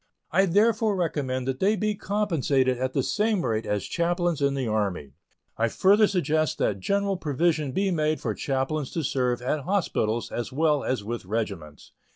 I therefore recommend that they be compensated at the same rate as chaplains in the Army. I further suggest that general provision be made for chaplains to serve at hospitals, as well as with regiments.